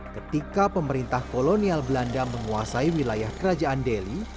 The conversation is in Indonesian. ketika pemerintah kolonial belanda menguasai wilayah kerajaan delhi